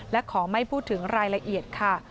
และขอไม่พูดถึงรายละเอียดค่ะ